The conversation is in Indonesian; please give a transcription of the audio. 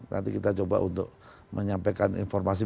nanti kita coba untuk menyampaikan informasi